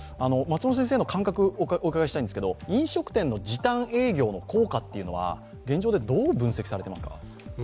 松本先生の感覚をお伺いしたいんですが、飲食店の時短営業の効果というのは現状ではどう分析されていますか？